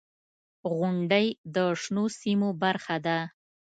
• غونډۍ د شنو سیمو برخه ده.